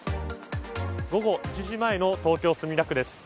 午後１時前の東京・墨田区です。